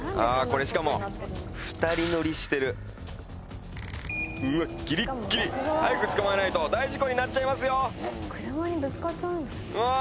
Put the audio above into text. これしかも二人乗りしてるうわっギリッギリ早く捕まえないと大事故になっちゃいますようわ